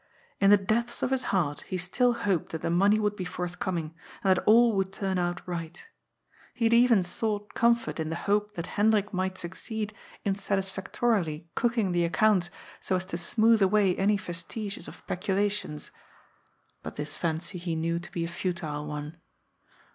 In the depths of his heart he still hoped that the money would be forthcoming, and that all would turn out right. He had even sought comfort in the hope that Hendrik might succeed in satisfactorily cooking the accounts so as SOCIAL SCIENCE. 387 to smooth away any vestiges of peculations. But this fancy he knew to be a futile one.